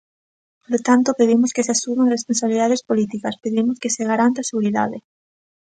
Polo tanto, pedimos que se asuman responsabilidades políticas; pedimos que se garanta a seguridade.